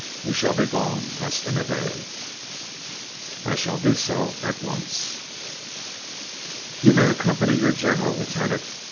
We shall be gone less than a day." "I shall do so at once." "You may accompany your general, lieutenant.